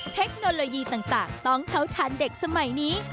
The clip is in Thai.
เทคโนโลยีต่างต้องเข้าทานเด็กสมัยนี้